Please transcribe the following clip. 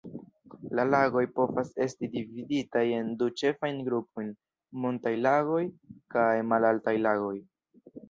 La lagoj povas esti dividitaj en du ĉefajn grupojn: montaj lagoj kaj malaltaj lagoj.